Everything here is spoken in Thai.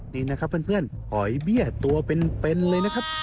นี่นะครับเพื่อนหอยเบี้ยตัวเป็นเลยนะครับ